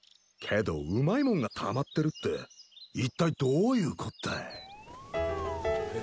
けどうまいもんがたまってるって一体どういうこったい。